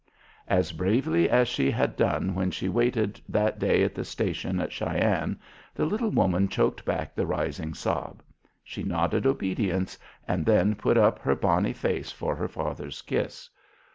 As bravely as she had done when she waited that day at the station at Cheyenne, the little woman choked back the rising sob. She nodded obedience, and then put up her bonny face for her father's kiss.